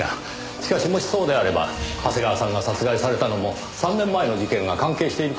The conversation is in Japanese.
しかしもしそうであれば長谷川さんが殺害されたのも３年前の事件が関係しているかもしれません。